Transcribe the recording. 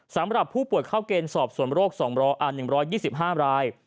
สำหรับผู้ป่วยเข้าเกณฑ์สอบส่วนโรค๑๒๕ราย